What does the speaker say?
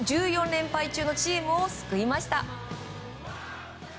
連敗中のチームを救いました。